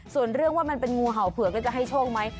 ส่วนเรื่องว่ามันเป็นงูเห่าเผือกก็จะให้โชคไหม